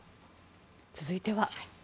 続いては。